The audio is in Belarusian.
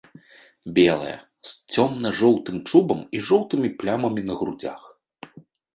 Белая, з цёмна-жоўтым чубам і жоўтымі плямамі на грудзях.